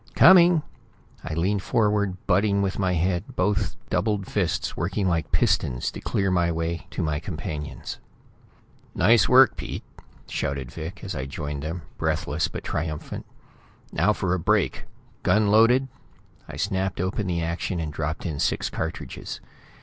"Coming!" I leaned forward, butting with my head, both doubled fists working like pistons to clear a way to my companions. "Nice work, Pete!" shouted Vic, as I joined them, breathless but triumphant. "Now for a break! Gun loaded?" I snapped open the action and dropped in six cartridges.